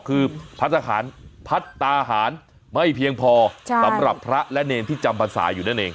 คือพัฒนาหารไม่เพียงพอสำหรับพระและเนรที่จำภาษาอยู่นั่นเอง